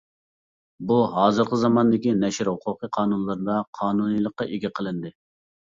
بۇ ھازىرقى زاماندىكى نەشر ھوقۇقى قانۇنلىرىدا قانۇنىيلىققا ئىگە قىلىندى.